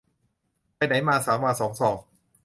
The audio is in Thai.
ไปไหนมา สามวาสองศอก